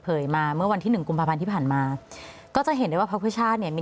มาเมื่อวันที่หนึ่งกุมภาพันธ์ที่ผ่านมาก็จะเห็นได้ว่าพักเพื่อชาติเนี่ยมี